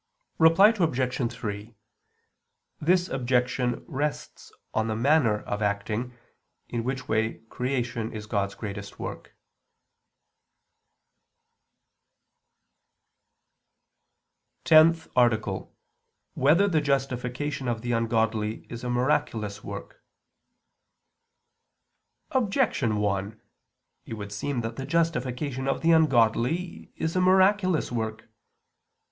Reply Obj. 3: This objection rests on the manner of acting, in which way creation is God's greatest work. ________________________ TENTH ARTICLE [I II, Q. 113, Art. 10] Whether the Justification of the Ungodly Is a Miraculous Work? Objection 1: It would seem that the justification of the ungodly is a miraculous work.